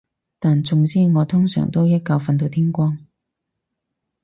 但總之我通常都一覺瞓到天光